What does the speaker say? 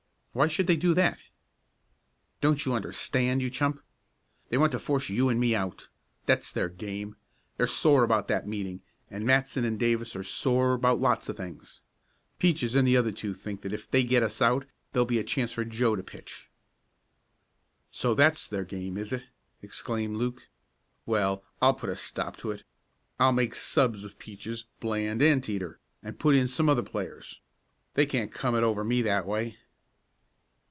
"Why should they do that?" "Don't you understand, you chump? They want to force you and me out. That's their game. They're sore about that meeting, and Matson and Davis are sore about lots of things. Peaches and the other two think if they get us out there'll be a chance for Joe to pitch." "So that's their game, is it?" exclaimed Luke. "Well, I'll put a stop to it. I'll make subs of Peaches, Bland and Teeter, and put in some other players. They can't come it over me that way."